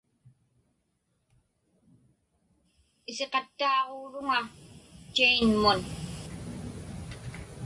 Isiqattaaġuuruŋa Jane-mun.